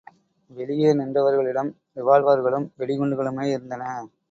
வெளியே நின்றவர்களிடம் ரிவால்வர்களும் வெடிகுண்டுகளுமே இருந்தன.